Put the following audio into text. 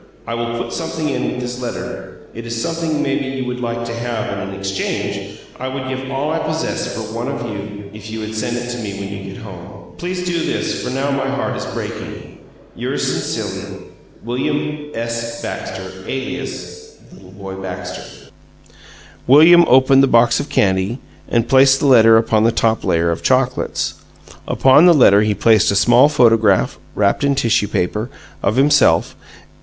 I will put something in with this letter. It is something maybe you would like to have and in exchange I would give all I possess for one of you if you would send it to me when you get home. Please do this for now my heart is braking. Yours sincerely, WILLIAM S. BAXTER (ALIAS) LITTLE BOY BAXTER. William opened the box of candy and placed the letter upon the top layer of chocolates. Upon the letter he placed a small photograph (wrapped in tissue paper) of himself.